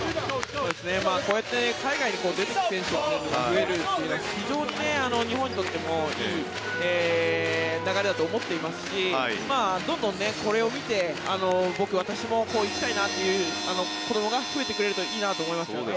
こうやって海外に出てきている選手が増えるというのは非常に日本にとってもいい流れだと思っていますしどんどんこれを見て僕、私も行きたいなという子どもが増えてくれるといいなと思いますね。